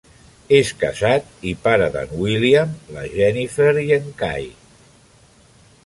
És casat i pare d'en William, la Jennifer i en Ky.